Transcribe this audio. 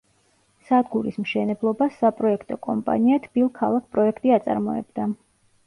სადგურის მშენებლობას საპროექტო კომპანია „თბილქალაქპროექტი“ აწარმოებდა.